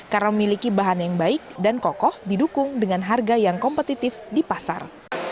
karena memiliki bahan yang baik dan kokoh didukung dengan harga yang kompetitif di pasar